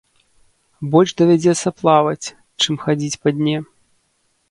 Больш давядзецца плаваць, чым хадзіць па дне.